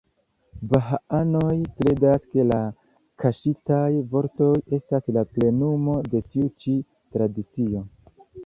Bahaanoj kredas, ke la "Kaŝitaj Vortoj" estas la plenumo de tiu ĉi tradicio.